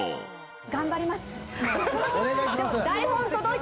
頑張ります。